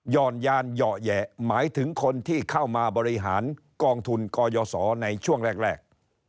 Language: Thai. ่อนยานเหยาะแหยะหมายถึงคนที่เข้ามาบริหารกองทุนกยศในช่วงแรก